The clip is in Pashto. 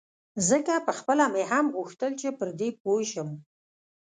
ځکه پخپله مې هم غوښتل چې پر دې پوی شم.